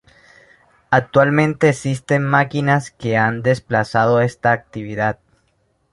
Actualmente existen máquinas que han desplazado esta actividad.